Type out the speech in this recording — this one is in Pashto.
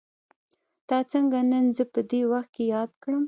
تا څنګه نن زه په دې وخت کې ياد کړم.